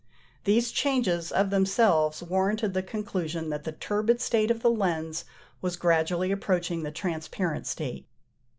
These changes of themselves warranted the conclusion that the turbid state of the lens was gradually approaching the transparent state.